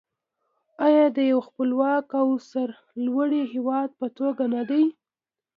آیا د یو خپلواک او سرلوړي هیواد په توګه نه دی؟